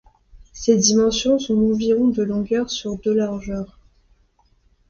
Ses dimensions sont d'environ de longueur sur de largeur.